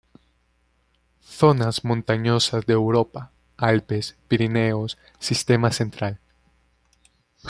Zonas montañosas de Europa, Alpes, Pirineos, Sistema Central.